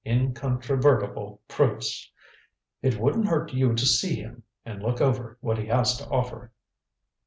Incontrovertible proofs. It wouldn't hurt you to see him and look over what he has to offer."